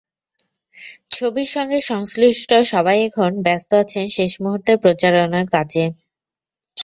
ছবির সঙ্গে সংশ্লিষ্ট সবাই এখন ব্যস্ত আছেন শেষ মুহূর্তের প্রচারণার কাজে।